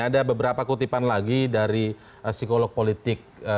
ada beberapa kutipan lagi dari psikolog politik